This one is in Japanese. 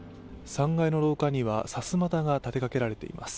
３階の廊下には、さすまたが立てかけられています。